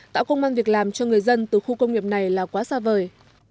tạo công an việc làm cho người dân từ khu công nghiệp này là quá xa vời